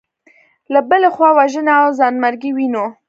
له بلې خوا وژنې او ځانمرګي وینو.